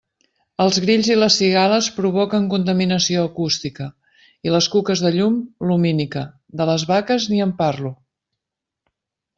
Els grills i les cigales provoquen contaminació acústica i les cuques de llum, lumínica; de les vaques, ni en parlo.